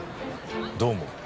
どうも。